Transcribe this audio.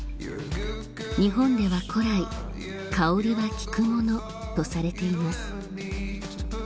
日本では古来香りは聞くものとされています